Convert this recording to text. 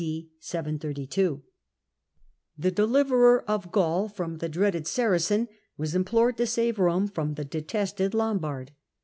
D.^^32^ The deliverer of ''^ Gaul from the dreaded Saracen was implored to save Eome from the detested Lombard.